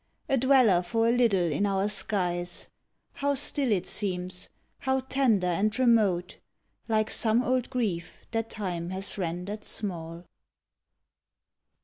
A dweller for a little in our skies, How still it seems, how tender and remote, Like some old grief that time has rendered small